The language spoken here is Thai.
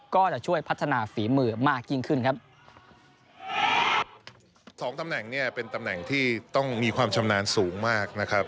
ก็จะช่วยพัฒนาฝีมือมากยิ่งขึ้นครับสองตำแหน่งเนี่ยเป็นตำแหน่งที่ต้องมีความชำนาญสูงมากนะครับ